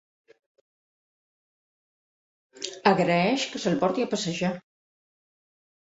Agraeix que se'l porti a passejar.